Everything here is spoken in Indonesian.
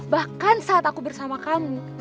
bahkan saat aku bersama kamu